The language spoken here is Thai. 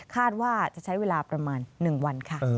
คาดว่าจะใช้เวลาประมาณ๑วันค่ะ